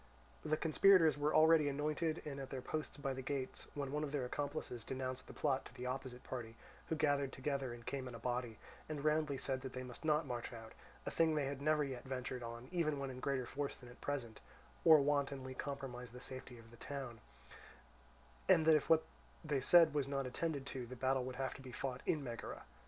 The conspirators were all ready anointed and at their posts by the gates, when one of their accomplices denounced the plot to the opposite party, who gathered together and came in a body, and roundly said that they must not march out—a thing they had never yet ventured on even when in greater force than at present—or wantonly compromise the safety of the town, and that if what they said was not attended to, the battle would have to be fought in Megara.